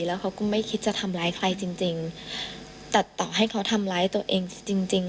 แล้วเขาก็ไม่คิดจะทำร้ายใครจริงจริงตัดต่อให้เขาทำร้ายตัวเองจริงจริง